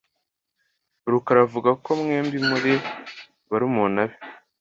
Rukara avuga ko mwembi muri barumuna be.